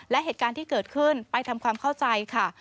และเหตุการณ์ที่เกิดขึ้นไปทำความเข้าใจค่ะ